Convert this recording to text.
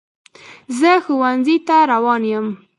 زه ښوونځي ته روان یم.